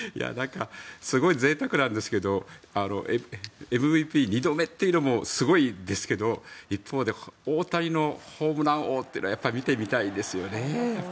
すごいぜいたくなんですけどＭＶＰ２度目というのもすごいですけど一方で、大谷のホームラン王をやっぱり見てみたいですよね。